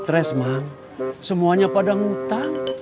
stres mang semuanya pada ngutang